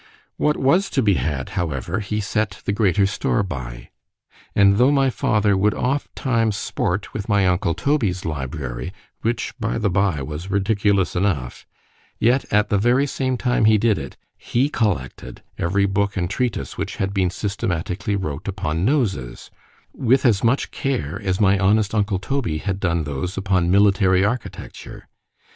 What was to be had, however, he set the greater store by; and though my father would oft times sport with my uncle Toby's library—which, by the bye, was ridiculous enough—yet at the very same time he did it, he collected every book and treatise which had been systematically wrote upon noses, with as much care as my honest uncle Toby had done those upon military architecture.